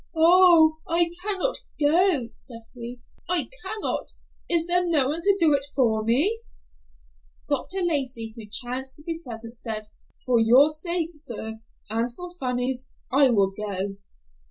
"Oh, I cannot go!" said he, "I cannot. Is there no one to do it for me?" Dr. Lacey, who chanced to be present, said, "For your sake, sir, and for Fanny's, I will go."